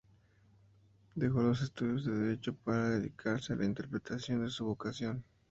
Dejó los estudios de Derecho para dedicarse a la interpretación, su vocación.